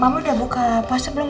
mama udah buka pasir belum